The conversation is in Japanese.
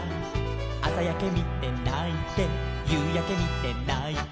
「あさやけみてないてゆうやけみてないて」